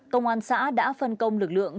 công an xã đã phân công lực lượng